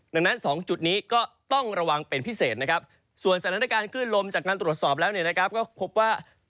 ดังนั้น๒จุดนี้ก็ต้องระวังเป็นพิเศษนะครับส่วนสถานการณ์คลื่นลมจากการตรวจสอบแล้วเนี่ยนะครับก็พบว่า